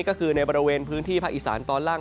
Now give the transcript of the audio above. ก็คือในบริเวณพื้นที่ภาคอีสานตอนล่าง